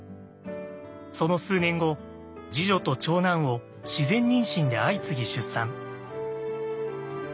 その数年後次女と長男を自然妊娠で相次ぎ出産。